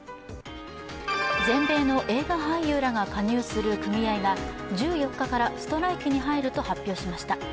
全米の映画俳優らが加入する組合が１４日からストライキに入ると発表しました。